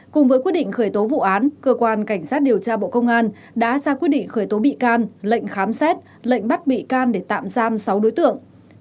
cùng với quyết định khởi tố vụ án cơ quan cảnh sát điều tra bộ công an đã ra quyết định khởi tố bị can lệnh khám xét lệnh bắt bị can để tạm giam sáu đối tượng